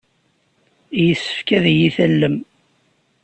Yessefk ad iyi-tallem.